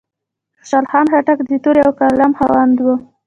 خوشحال خان خټک د تورې او قلم خاوند و.